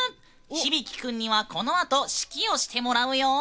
響輝君にはこのあと指揮をしてもらうよ。